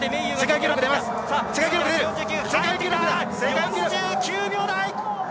４９秒台！